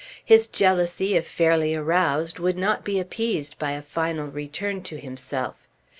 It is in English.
His jealousy, if fairly aroused, would not be appeased by a final return to himself.